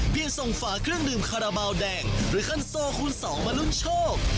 ส่งฝาเครื่องดื่มคาราบาลแดงหรือคันโซคูณสองมาลุ้นโชค